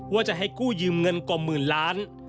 ว่าจะให้กู้ยืมเงินกว่าหมื่นล้าน